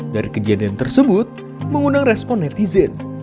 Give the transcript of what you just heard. dari kejadian tersebut mengundang respon netizen